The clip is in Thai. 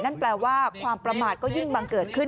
นั่นแปลว่าความประมาทก็ยิ่งบังเกิดขึ้น